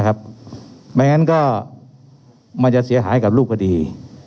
ไม่งั้นก็มันจะเสียหายกับรูปคดี